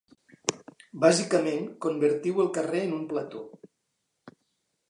Bàsicament, convertiu el carrer en un plató.